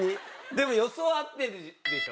でも予想は合ってるでしょ？